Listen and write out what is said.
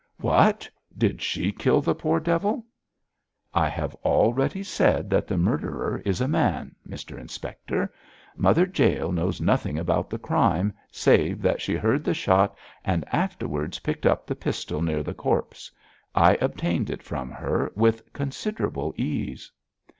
'What! did she kill the poor devil?' 'I have already said that the murderer is a man, Mr Inspector. Mother Jael knows nothing about the crime, save that she heard the shot and afterwards picked up the pistol near the corpse. I obtained it from her with considerable ease!'